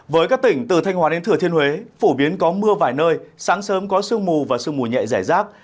với các tỉnh từ thanh hòa đến thừa thiên huế phổ biến có mưa vài nơi sáng sớm có sương mù và sương mù nhẹ rải rác